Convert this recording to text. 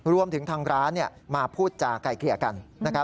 รวมถึงทางร้านมาพูดจากไกลเกลี่ยกัน